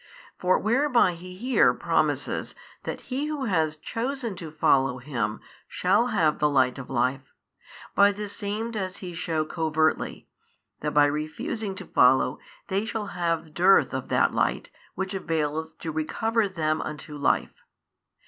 |565 For whereby He here promises that he who has chosen to follow Him shall have the light of life, by this same does He shew covertly, that by refusing to follow they shall have dearth of that light which availeth to recover them unto life.